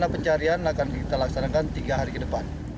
pencarian akan kita laksanakan tiga hari ke depan